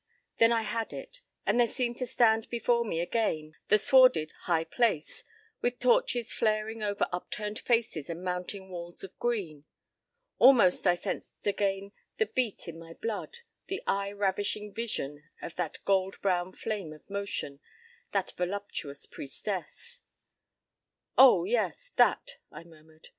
—Then I had it, and there seemed to stand before me again the swarded "high place," with torches flaring over upturned faces and mounting walls of green. Almost I sensed again the beat in my blood, the eye ravishing vision of that gold brown flame of motion, that voluptuous priestess. "Oh, yes. That!" I murmured.